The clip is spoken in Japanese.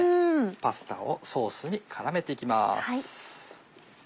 パスタをソースに絡めて行きます。